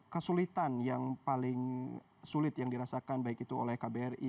kesulitan yang paling sulit yang dirasakan baik itu oleh kbri